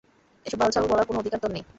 এসব বালছাল বলার কোনো অধিকার তর নেই।